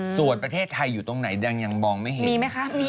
ส่วนประเทศไทยอยู่ตรงไหนดังยังมองไม่เห็นมีไหมคะ